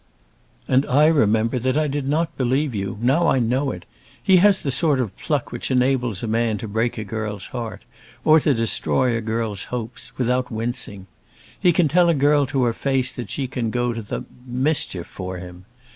"And I remember that I did not believe you. Now I know it. He has the sort of pluck which enables a man to break a girl's heart, or to destroy a girl's hopes, without wincing. He can tell a girl to her face that she can go to the mischief for him.